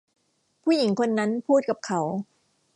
ผู้หญิงคนนั้นพูดกับเขา